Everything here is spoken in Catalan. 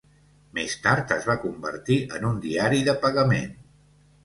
Més tard es va convertir en un diari de pagament.